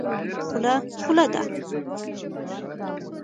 خوله خوله ده.